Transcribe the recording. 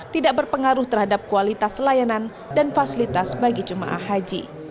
tidak berpengaruh terhadap kualitas layanan dan fasilitas bagi jemaah haji